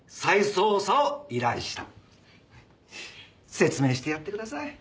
説明してやってください。